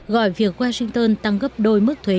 gọi việc washington tăng gấp đôi mức thuế